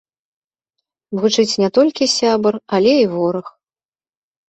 Вучыць не толькі сябар, але і вораг.